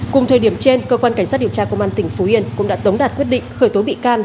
cùng thời điểm trên cơ quan cảnh sát điều tra công an tỉnh phú yên cũng đã tống đạt quyết định khởi tố bị can